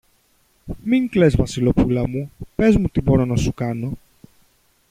Μην κλαις, Βασιλοπούλα μου, πες μου τι μπορώ να σου κάνω!